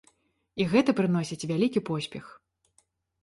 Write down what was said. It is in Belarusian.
І гэта прыносіць вялікі поспех.